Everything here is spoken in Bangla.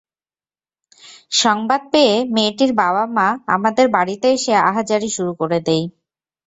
সংবাদ পেয়ে মেয়েটির বাবা-মা আমাদের বাড়িতে এসে আহাজারি শুরু করে দেয়।